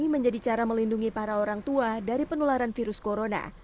menjadi cara melindungi para orang tua dari penularan virus corona